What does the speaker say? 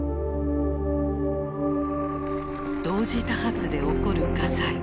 同時多発で起こる火災。